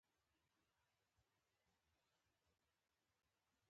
له همدې امله بومي کلتور د ستونزې په ډاګه کولو لپاره دلیل نه دی.